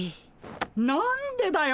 何でだよ！